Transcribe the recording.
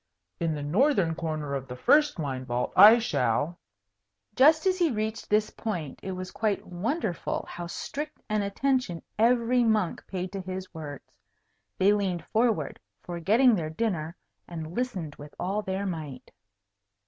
In the northern corner of the first wine vault I shall " Just as he reached this point, it was quite wonderful how strict an attention every monk paid to his words. They leaned forward, forgetting their dinner, and listened with all their might.